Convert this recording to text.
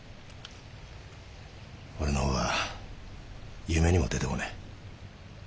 俺のほうは夢にも出てこねえ。